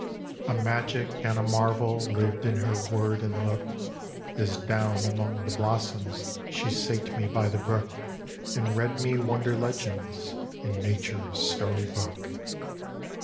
A magic and a marvel Lived in her word and look, As down among the blossoms She sate me by the brook, And read me wonder legends In Nature's Story Book.